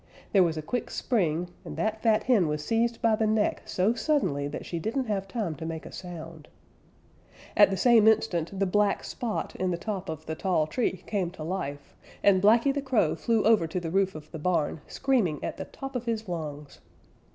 There was a quick spring, and that fat hen was seized by the neck so suddenly that she didn't have time to make a sound. At the same instant the black spot in the top of the tall tree came to life, and Blacky the Crow flew over to the roof of the barn, screaming at the top of his lungs.